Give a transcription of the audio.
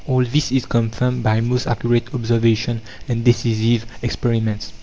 All this is confirmed by most accurate observation and decisive experiments.